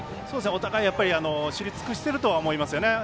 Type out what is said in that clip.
お互い、知り尽くしてると思いますよね。